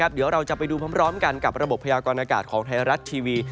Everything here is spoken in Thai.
เดี๋ยวเราจะไปดูพร้อมกันกับระบบพยากรณากาศของไทยรัฐทีวี